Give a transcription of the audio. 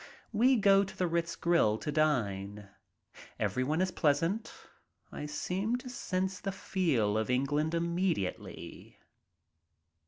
We go to the Ritz grill to dine. Everyone is pleasant. I seem to sense the feel of England immediately.